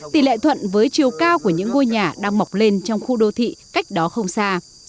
tỷ lệ thuận với chiều cao của những ngôi nhà đang mọc lên trong khu đô thị cách đó không xa